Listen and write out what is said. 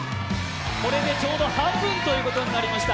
これでちょうど半分ということになりました。